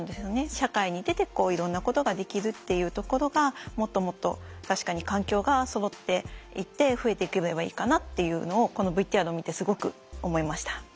社会に出ていろんなことができるっていうところがもっともっと確かに環境がそろっていて増えていけばいいかなっていうのをこのＶＴＲを見てすごく思いました。